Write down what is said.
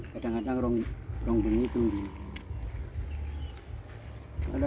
kadang kadang telung dino